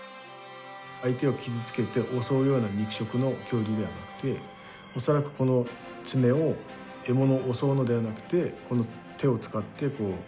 相手を傷つけて襲うような肉食の恐竜ではなくて恐らくこの爪を獲物を襲うのではなくてこの手を使って植物枝とかを引き寄せて